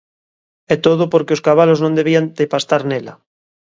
E todo porque os cabalos non debían de pastar nela.